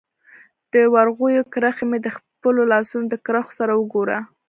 د ورغوي کرښي مي د خپلو لاسونو د کرښو سره وګوره